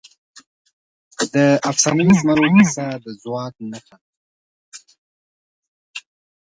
د افسانوي زمرو کیسه د ځواک نښه ده.